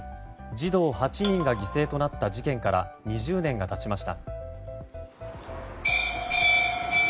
児童８人が犠牲となった事件から２０年が経ちました。